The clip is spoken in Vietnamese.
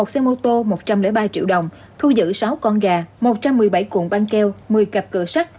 một xe mô tô một trăm linh ba triệu đồng thu giữ sáu con gà một trăm một mươi bảy cuộn băng keo một mươi cặp cửa sắt